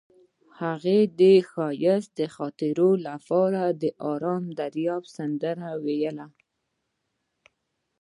هغې د ښایسته خاطرو لپاره د آرام دریاب سندره ویله.